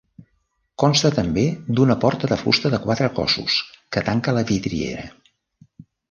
Consta, també d'una porta de fusta de quatre cossos que tanca la vidriera.